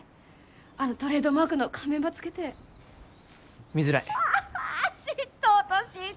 あのトレードマークの仮面ばつけて見づらいあっ知っとうと知っ